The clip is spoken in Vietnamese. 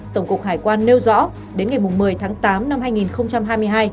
tổng cục hải quan nêu rõ đến ngày một mươi tháng tám năm hai nghìn hai mươi hai